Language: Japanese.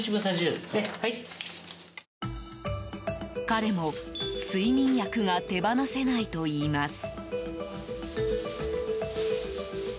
彼も、睡眠薬が手放せないといいます。